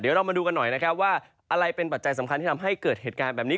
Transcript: เดี๋ยวเรามาดูกันหน่อยนะครับว่าอะไรเป็นปัจจัยสำคัญที่ทำให้เกิดเหตุการณ์แบบนี้